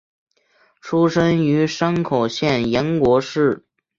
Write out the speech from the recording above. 出身于山口县岩国市。